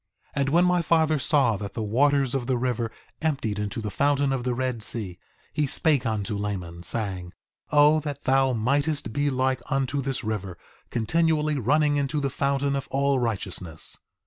2:9 And when my father saw that the waters of the river emptied into the fountain of the Red Sea, he spake unto Laman, saying: O that thou mightest be like unto this river, continually running into the fountain of all righteousness!